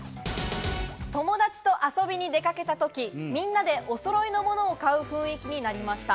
友達と遊びに出かけたとき、みんなでおそろいの物を買う雰囲気になりました。